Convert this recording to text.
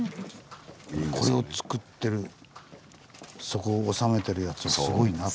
これを作ってるそこを治めてるやつはすごいなと。